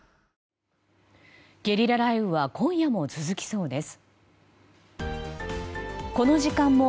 ゲリラ雷雨は今夜も続きそうです。